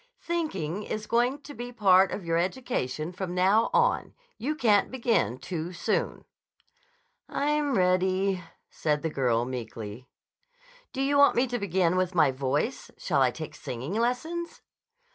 "Thinking is going to be part of your education from now on. You can't begin too soon." "I'm ready," said the girl meekly. "Do you want me to begin with my voice? Shall I take singing lessons?"